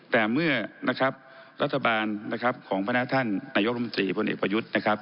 แต่เมื่อนะครับรัฐบาลนะครับของพนักท่านนายกรมตรีพลเอกประยุทธ์นะครับ